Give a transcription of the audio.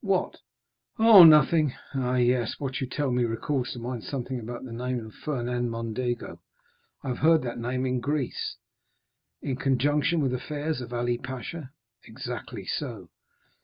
"What?" "Oh, nothing!" "Ah, yes; what you tell me recalls to mind something about the name of Fernand Mondego. I have heard that name in Greece." "In conjunction with the affairs of Ali Pasha?" "Exactly so."